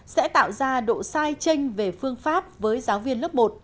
sẽ tạo ra độ sai tranh về phương pháp với giáo viên lớp một